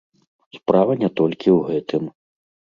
Справа не толькі ў гэтым.